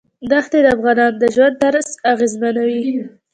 ښتې د افغانانو د ژوند طرز اغېزمنوي.